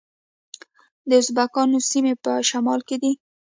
د ازبکانو سیمې په شمال کې دي